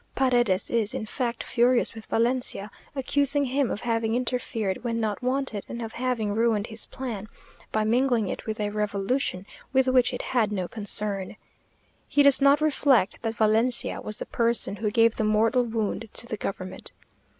Paredes is, in fact, furious with Valencia, accusing him of having interfered when not wanted, and of having ruined his plan, by mingling it with a revolution, with which it had no concern. He does not reflect that Valencia was the person who gave the mortal wound to the government.